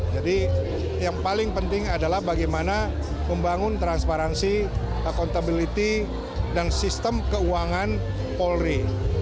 jadi yang paling penting adalah bagaimana membangun transparansi accountability dan sistem keuangan polri